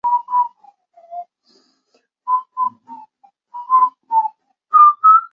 普洛塔韦茨农村居民点是俄罗斯联邦别尔哥罗德州科罗恰区所属的一个农村居民点。